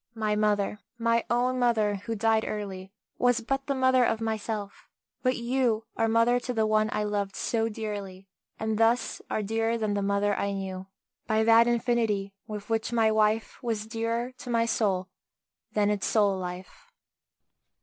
My mother my own mother, who died early, Was but the mother of myself; but you Are mother to the one I loved so dearly, And thus are dearer than the mother I knew By that infinity with which my wife Was dearer to my soul than its soul life.